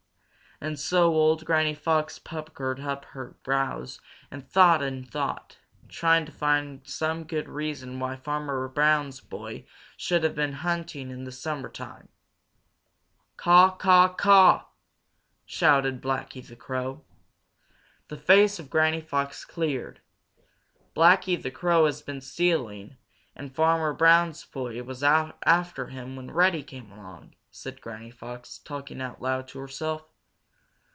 And so old Granny Fox puckered up her brows and thought and thought, trying to find some good reason why Farmer Brown's boy should have been hunting in the summertime. "Caw, caw, caw!" shouted Blacky the Crow. The face of Granny Fox cleared. "Blacky the Crow has been stealing, and Farmer Brown's boy was out after him when Reddy came along," said Granny Fox, talking out loud to herself.